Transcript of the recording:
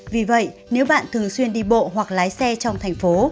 vì vậy nếu bạn thường xuyên đi bộ hoặc lái xe trong thành phố